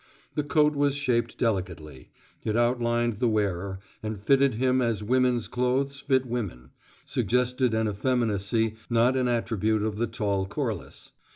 The coat was shaped delicately; it outlined the wearer, and, fitting him as women's clothes fit women, suggested an effeminacy not an attribute of the tall Corliss.